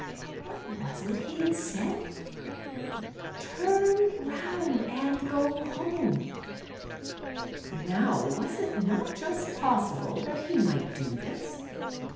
\\'hat was it he had said ?" Tuni roitud and eo home." Now was it not just possible that he might do this?